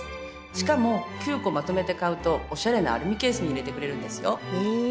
しかも９個まとめて買うとおしゃれなアルミケースに入れてくれるんですよ。